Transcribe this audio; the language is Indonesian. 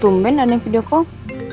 tungguin ada yang video call